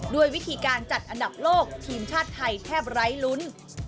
ด้วยวิธีการจัดอันดับโลกทีมชาติไทยแทบไร้ลุ้น